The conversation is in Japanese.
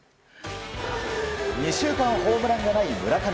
２週間ホームランがない村上。